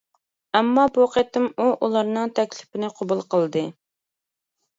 ئەمما بۇ قېتىم ئۇ ئۇلارنىڭ تەكلىپىنى قوبۇل قىلدى.